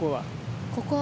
ここは。